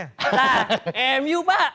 nah mu pak